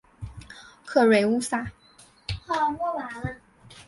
克瑞乌萨。